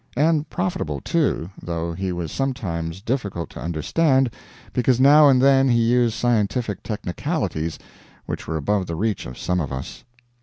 And profitable, too, though he was sometimes difficult to understand because now and then he used scientific technicalities which were above the reach of some of us.